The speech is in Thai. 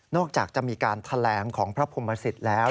นอกจากจะมีการแถลงของพระพรหมสิตแล้ว